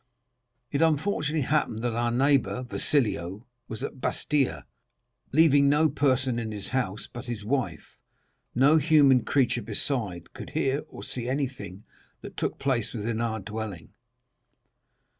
"It unfortunately happened that our neighbor, Wasilio, was at Bastia, leaving no person in his house but his wife; no human creature beside could hear or see anything that took place within our dwelling.